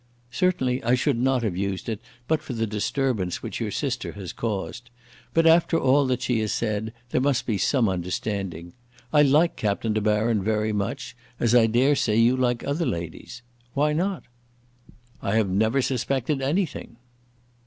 "Certainly I should not have used it, but for the disturbance which your sister has caused. But after all that she has said, there must be some understanding. I like Captain De Baron very much, as I dare say you like other ladies. Why not?" "I have never suspected anything."